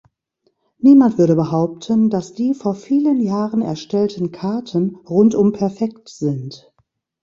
Niemand würde behaupten, dass die vor vielen Jahren erstellten Karten rundum perfekt sind.